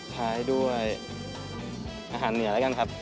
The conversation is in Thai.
ท้ายด้วยอาหารเหนือแล้วกันครับ